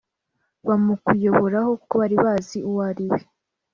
bamukuyoboraho kuko bari bazi uwo uriwe